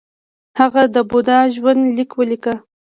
هغه د بودا ژوند لیک ولیکه